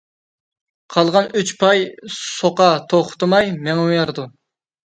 قالغان ئۈچ پاي سوقا توختىماي مېڭىۋېرىدۇ.